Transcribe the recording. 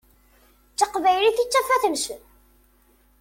D taqbaylit i d tafat-nsen.